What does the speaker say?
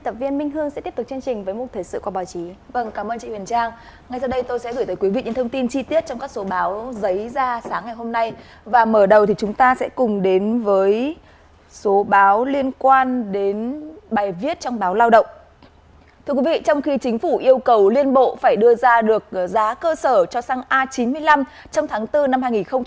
thưa quý vị trong khi chính phủ yêu cầu liên bộ phải đưa ra được giá cơ sở cho xăng a chín mươi năm trong tháng bốn năm hai nghìn một mươi bảy